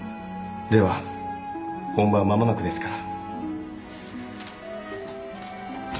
では本番は間もなくですから。